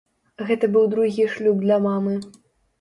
Гэта быў другі шлюб для мамы.